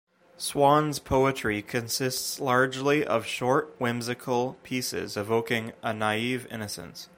Swann's poetry consists largely of short, whimsical pieces evoking a naive innocence.